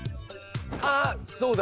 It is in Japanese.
あそうだ！